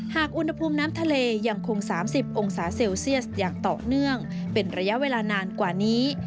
หากอุณหภูมิน้ำทะเลยังคง๓๐องศาเซลเซียสอย่างต่อเนื่องเป็นระยะเวลานานกว่านี้